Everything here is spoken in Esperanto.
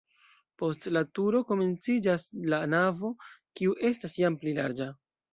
Post la turo komenciĝas la navo, kiu estas jam pli larĝa.